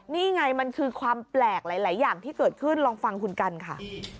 นี่ไงมันคือความแปลกหลายอย่างที่เกิดขึ้นลองฟังคุณกันค่ะ